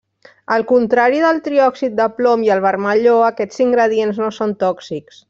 Al contrari del triòxid de plom i el vermelló, aquests ingredients no són tòxics.